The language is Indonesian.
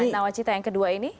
nawacita yang kedua ini